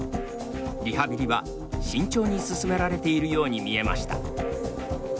リハビリは慎重に進められているように見えました。